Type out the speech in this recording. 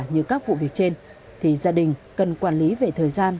như các vụ việc trên thì gia đình cần quản lý về thời gian